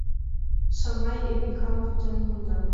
Шамай Эвикам вӱден конда.